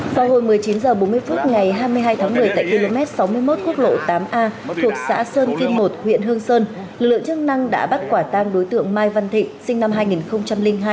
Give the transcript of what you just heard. vào hồi một mươi chín h bốn mươi phút ngày hai mươi hai tháng một mươi tại km sáu mươi một quốc lộ tám a thuộc xã sơn kim một huyện hương sơn lượng chức năng đã bắt quả tang đối tượng mai văn thịnh sinh năm hai nghìn hai